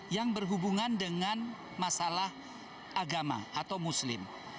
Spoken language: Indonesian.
yang berhubungan dengan masalah agama atau muslim